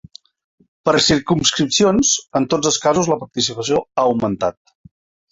Per circumscripcions, en tots els casos la participació ha augmentat.